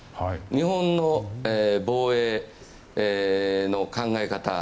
日本の防衛の考え方